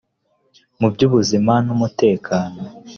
mu by’ ubuzima n’umutekano